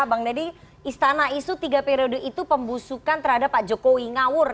bang deddy istana isu tiga periode itu pembusukan terhadap pak jokowi ngawur